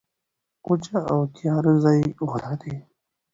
وچه او تیاره ځای غوره دی.